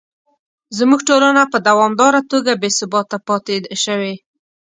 زموږ ټولنه په دوامداره توګه بې ثباته پاتې شوې.